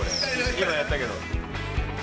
今やったけど。